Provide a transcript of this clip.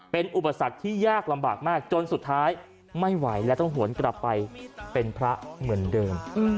เป็นอุปสรรคที่ยากลำบากมากจนสุดท้ายไม่ไหวและต้องหวนกลับไปเป็นพระเหมือนเดิม